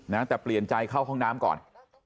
นะแต่เปลี่ยนใจเข้าห้องน้ำก่อน